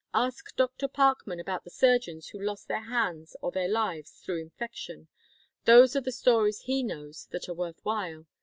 Ask Dr. Parkman about the surgeons who lost their hands or their lives through infection. Those are the stories he knows that are worth while.